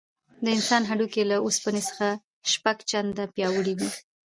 د انسان هډوکي له اوسپنې څخه شپږ چنده پیاوړي دي.